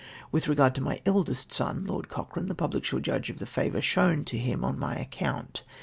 Witli regard to my eldest son, Lord Cochrane, the public shall judge of the llivour shown to him on my account.